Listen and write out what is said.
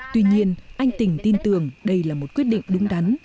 tuy nhiên anh tình tin tưởng đây là một quyết định đúng đắn